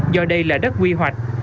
do đây là đất quy hoạch